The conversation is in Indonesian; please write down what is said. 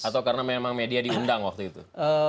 atau karena memang media diundang waktu itu